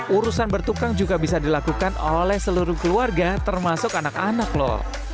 urusan bertukang juga bisa dilakukan oleh seluruh keluarga termasuk anak anak loh